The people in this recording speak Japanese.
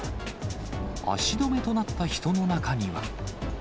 足止めとなった人の中には。